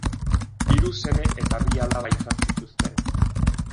Hiru seme eta bi alaba izan zituzten.